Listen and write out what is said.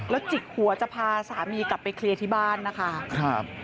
จิกหัวจะพาสามีกลับไปเคลียร์ที่บ้านนะคะครับ